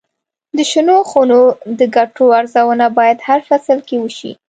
د شنو خونو د ګټو ارزونه باید هر فصل کې وشي.